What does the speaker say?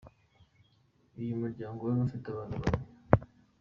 Uyu muryango wari ufite abana bane.